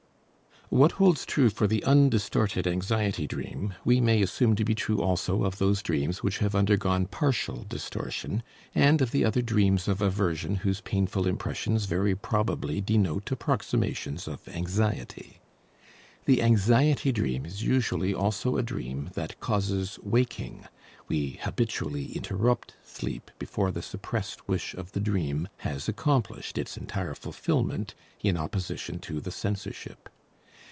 What holds true for the undistorted anxiety dream we may assume to be true also of those dreams which have undergone partial distortion, and of the other dreams of aversion whose painful impressions very probably denote approximations of anxiety. The anxiety dream is usually also a dream that causes waking; we habitually interrupt sleep before the suppressed wish of the dream has accomplished its entire fulfillment in opposition to the censorship.